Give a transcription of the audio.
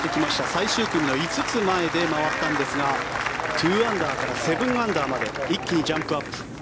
最終組の５つ前で回ったんですが２アンダーから７アンダーまで一気にジャンプアップ。